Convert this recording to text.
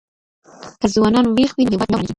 که ځوانان ويښ وي نو هېواد نه ورانېږي.